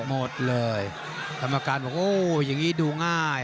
หมดเลยธรรมการบอกว่าโอ้ยยงงี้ดูง่าย